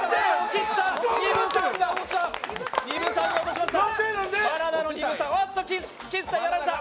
丹生さんが落としました。